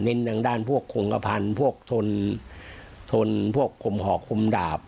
เน้นทางด้านพวกโครงกระพันธุ์พวกทนทนพวกขมหอกขมดาบ